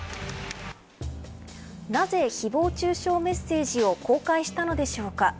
なぜ、誹謗中傷メッセージを公開したのでしょうか。